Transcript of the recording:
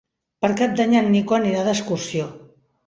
Per Cap d'Any en Nico anirà d'excursió.